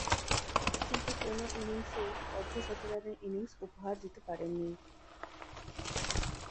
কিন্তু কোন ইনিংসেই অর্ধ-শতরানের ইনিংস উপহার দিতে পারেননি।